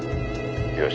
よし。